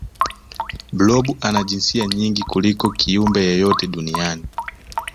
blob ana jinsia nyingi kuliko kiumbe yeyote duniani